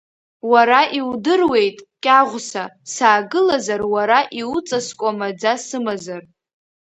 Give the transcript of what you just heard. Уара иудыруеит, Кьаӷәса, саагылазар уара иуҵаскуа маӡа сымазар.